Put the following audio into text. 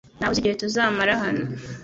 Ntawe uzi igihe tuzamara hano?